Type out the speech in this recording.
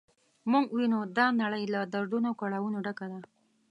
موږ وینو دا نړۍ له دردونو او کړاوونو ډکه ده.